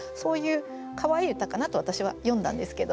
そういうかわいい歌かなと私は読んだんですけど。